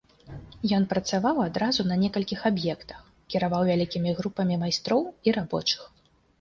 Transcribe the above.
Ён працаваў адразу на некалькіх аб'ектах, кіраваў вялікімі групамі майстроў і рабочых.